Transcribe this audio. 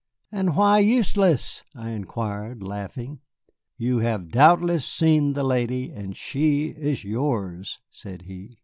"And why useless!" I inquired, laughing. "You have doubtless seen the lady, and she is yours," said he.